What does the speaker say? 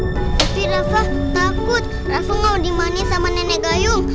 tapi rafa takut rafa gak mau dimandiin sama nenek gayung